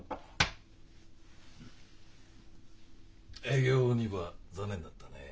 営業２部は残念だったね。